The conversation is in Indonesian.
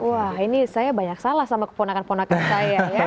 wah ini saya banyak salah sama keponakan ponakan saya ya